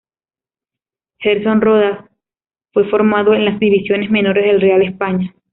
Gerson Rodas fue formado en las divisiones menores del Real España.